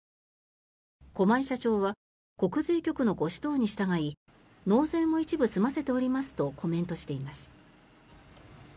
駒井社長は国税局のご指導に従い納税も一部済ませておりますとコメントしています。